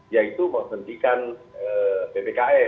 yaitu mementingkan ppkm